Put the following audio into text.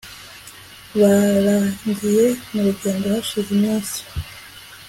baragiye murugendo hashize iminsi